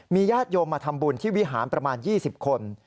ญาติโยมมาทำบุญที่วิหารประมาณ๒๐คน